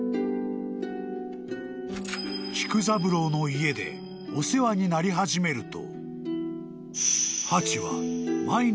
［菊三郎の家でお世話になり始めると］